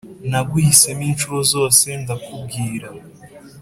naguhisemo inshuro zose ndakubwira